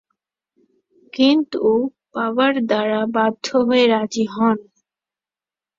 কিন্তু বাবার দ্বারা বাধ্য হয়ে রাজি হন।